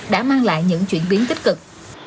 đã mang lại những chuyển biến tích cực